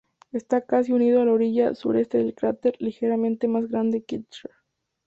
Está casi unido a la orilla sureste del cráter ligeramente más grande Kircher.